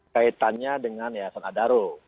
kaitannya dengan yayasan adaro